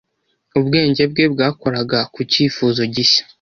Ubwenge bwe bwakoraga ku cyifuzo gishya.